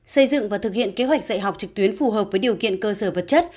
xây dựng và thực hiện kế hoạch dạy học trực tuyến phù hợp với điều kiện cơ sở vật chất